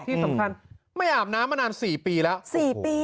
ที่สำคัญไม่อามน้ำประมาณ๔ปีละสี่ปี